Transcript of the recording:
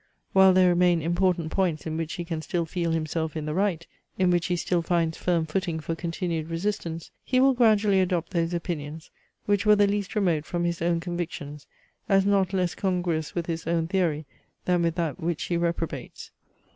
While there remain important points in which he can still feel himself in the right, in which he still finds firm footing for continued resistance, he will gradually adopt those opinions, which were the least remote from his own convictions, as not less congruous with his own theory than with that which he reprobates.